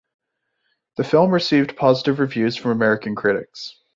The film received positive reviews from American critics.